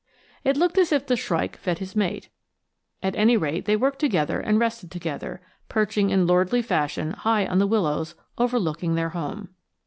It looked as if the shrike fed his mate. At any rate, they worked together and rested together, perching in lordly fashion high on the willows overlooking their home.